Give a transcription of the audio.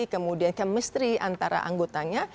kemudian chemistry antara anggotanya